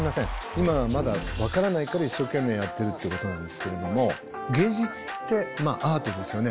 今はまだ分からないから一生懸命やってるってことなんですけれども芸術ってアートですよね